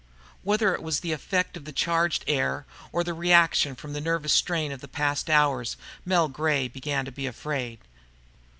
Whether it was the effect of the charged air, or the reaction from the nervous strain of the past hours, Mel Gray began to be afraid.